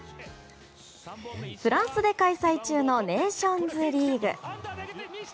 フランスで開催中のネーションズリーグ。